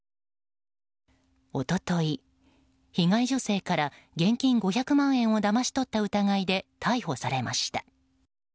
一昨日、被害女性から現金５００万円をだまし取った疑いで逮捕されました。